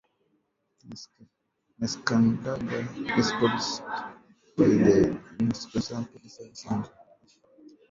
Neskantaga is policed by the Nishnawbe-Aski Police Service, an Aboriginal-based service.